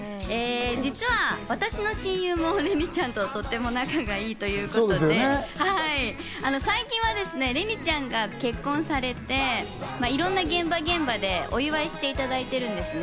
実は私の親友も、れにちゃんととっても仲がいいということで、最近はですね、れにちゃんが結婚されて、いろんな現場現場でお祝いしていただいてるんですね。